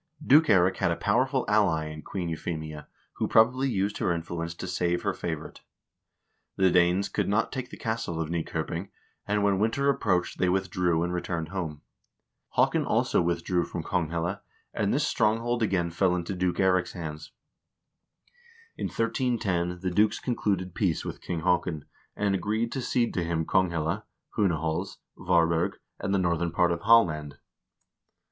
Duke Eirik had a powerful ally in Queen Euphemia, who probably used her influence to save her favorite. The Danes could not take the castle of Nykoping, and when winter approached they withdrew and returned home. Haakon also with drew from Konghelle, and this stronghold again fell into Duke Eirik's hands. In 1310 the dukes concluded peace with King Haakon, and agreed to cede to him Konghelle, Hunehals, Varberg, and the northern part of Halland.